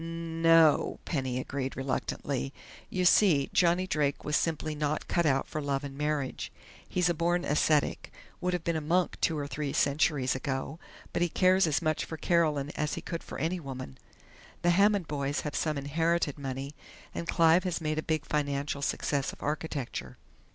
"N no!" Penny agreed reluctantly. "You see, Johnny Drake was simply not cut out for love and marriage. He's a born ascetic, would have been a monk two or three centuries ago, but he cares as much for Carolyn as he could for any woman.... The Hammond boys have some inherited money, and Clive has made a big financial success of architecture....